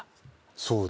そうだ。